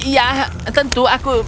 ya tentu aku